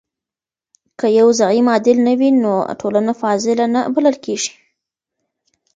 که يو زعيم عادل نه وي نو ټولنه فاضله نه بلل کيږي.